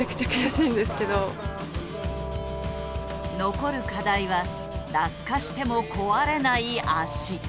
残る課題は落下しても壊れない足。